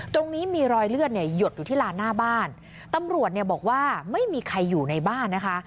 ตรงนี้มีรอยเลือดเนี่ยหยดอยู่ที่ลานหน้าบ้านตำรวจเนี่ยบอกว่าไม่มีใครอยู่ในบ้านนะคะ